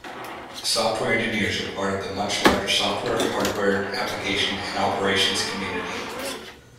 Software engineers are part of the much larger software, hardware, application, and operations community.